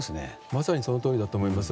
まさにそのとおりだと思います。